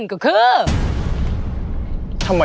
ขอบคุณมากค่ะ